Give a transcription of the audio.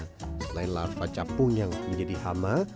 selain larva capung yang menjadi hama